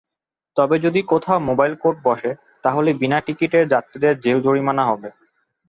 তবে যদি কোথাও মোবাইল কোর্ট বসে, তাহলে বিনা টিকিটের যাত্রীদের জেল-জরিমানা হবে।